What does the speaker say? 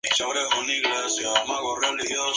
Pero Mons.